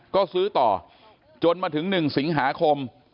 ก็ซื้อต่อจนมาถึง๑สิงหาคม